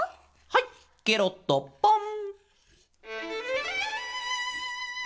はいケロッとポン！